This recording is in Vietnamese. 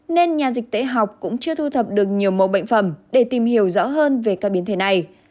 nên nhà dịch tễ học cũng chưa thu thập được nhiều mẫu bệnh phẩm để tìm hiểu rõ hơn về các biến thể này